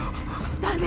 だね。